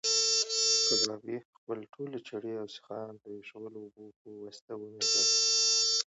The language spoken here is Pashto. کبابي خپلې ټولې چړې او سیخان د ایشېدلو اوبو په واسطه ومینځل.